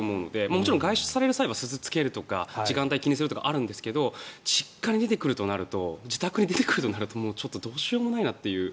もちろん外出される際は鈴をつけるとか時間帯を気にするとかあるんですけど実家に出てくるとなると自宅に出てくるとなるとどうしようもないなっていう。